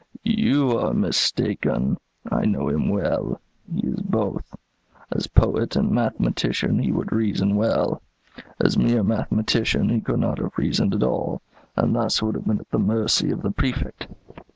"You are mistaken; I know him well; he is both. As poet and mathematician, he would reason well; as mere mathematician, he could not have reasoned at all, and thus would have been at the mercy of the Prefect."